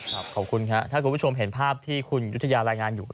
ขอบคุณครับถ้าคุณผู้ชมเห็นภาพที่คุณยุธยารายงานอยู่